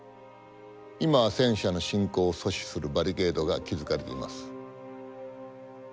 今は戦車の侵攻を阻止するバリケードが築かれています。